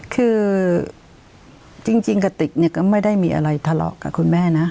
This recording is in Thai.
คือจริงกติกเนี่ยก็ไม่ได้มีอะไรทะเลาะกับคุณแม่นะ